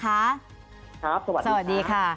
ครับสวัสดีค่ะ